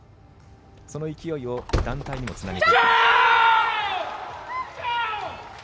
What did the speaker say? その勢いを団体にもつなげていきました。